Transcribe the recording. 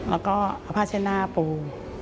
แล้วก็ผ้าเส้นหน้าปู